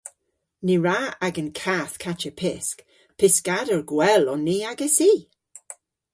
Ny wra agan kath kachya pysk. Pyskador gwell on ni agessi!